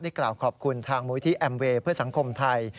ได้กล่าวขอบคุณทางมธอหมเวพัฒนาสามารถ